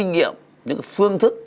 những cái kinh nghiệm những cái phương thức